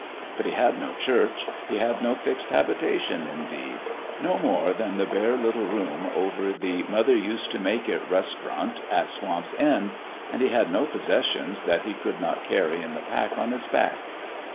But he had no church : he had no fixed habitation, indeed no more than the bare little room over the Mother 141 H2 FIST PLAY Used To Make It Restaurant at Swamp's End and he had no possessions that he could not carry in the pack on his back.